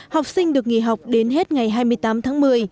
học sinh được nghỉ học đến hết ngày hai mươi tám tháng một mươi